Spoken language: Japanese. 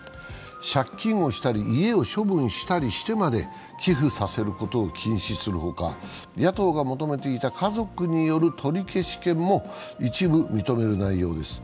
借金をしたり家を処分したりしてまで寄付させることを禁止する他野党が求めていた家族による取消権も一部認める内容です。